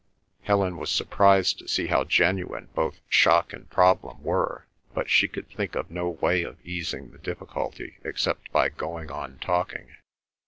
Helen was surprised to see how genuine both shock and problem were, but she could think of no way of easing the difficulty except by going on talking.